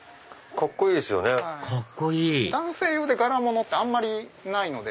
カッコいい男性用で柄物ってあんまりないので。